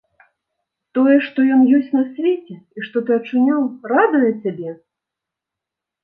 Тое, што ён ёсць на свеце і што ты ачуняў, радуе цябе?